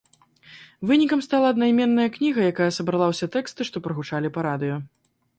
Вынікам стала аднайменная кніга, якая сабрала ўсе тэксты, што прагучалі па радыё.